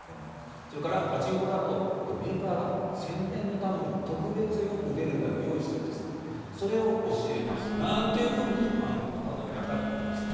それから、パチンコだとメーカーが宣伝のために特別よく出る台を用意してるんですそれを教えますなんていうふうにパンフレットなどに書かれてるんですね。